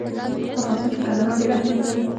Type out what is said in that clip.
په افغانستان کې کندهار ډېر اهمیت لري.